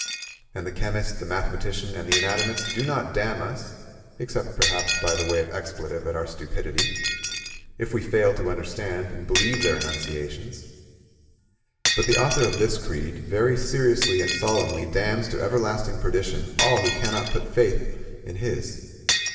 And the chemist, the mathematician, and the anatomist do not damn us (except, perhaps, by way of expletive at our stupidity) if we fail to understand and believe their enunciations; but the author of this creed very seriously and solemnly damns to everlasting perdition all who cannot put faith in his.